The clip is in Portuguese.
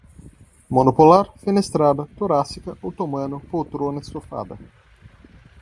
monopolar, fenestrada, torácica, otomano, poltrona, estofada